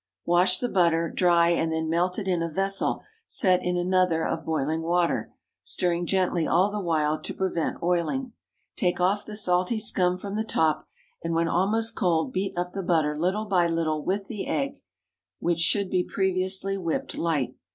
Wash the butter, dry, and then melt it in a vessel set in another of boiling water, stirring gently all the while to prevent oiling. Take off the salty scum from the top, and when almost cold beat up the butter little by little with the egg, which should be previously whipped light.